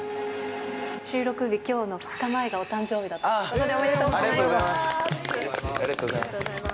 収録日、きょうの２日前がお誕生日だったということで、おめでとうございありがとうございます。